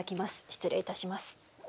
失礼いたします。